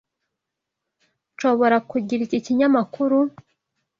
Nshobora kugira iki kinyamakuru?